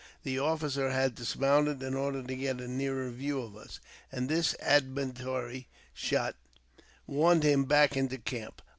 The officer had dismounted in order to get a nearer view of us, and this admonitory shot warned him back into camp.